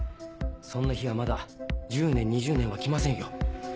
そんな日はまだ１０年２０年は来ませんよ。